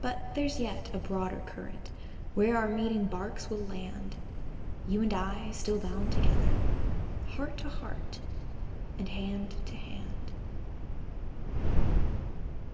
But there's yet a broader current, Where our meeting barks will land; You and I still bound together, Heart to heart, and hand to hand.